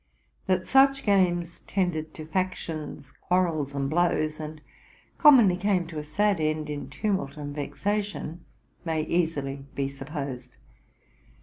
That such games tended to factions, quarrels, and blows, and commonly came to a sad end in tumult and vexation, may easily be supposed.